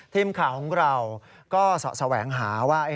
ทีมข่าวของเราก็เสาะแสวงหาว่า